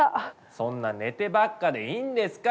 そんな寝てばっかでいいんですか？